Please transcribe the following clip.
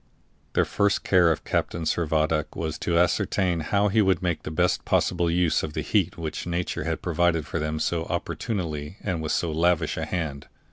The first care of Captain Servadac was to ascertain how he could make the best possible use of the heat which nature had provided for them so opportunely and with so lavish a hand.